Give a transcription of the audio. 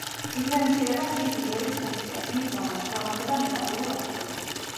დიფერენცირება ცვლის უჯრედის ფუნქციას, მის ზომას, ფორმასა და მეტაბოლურ აქტივობას.